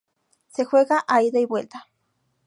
Se juega a ida y vuelta.